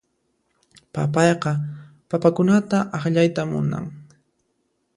Papayqa papakunata akllayta munan.